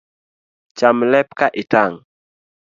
Cham lep ka itang’